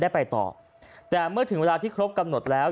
ไปต่อแต่เมื่อถึงเวลาที่ครบกำหนดแล้ว